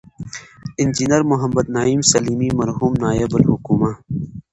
انجنیر محمد نعیم سلیمي، مرحوم نایب الحکومه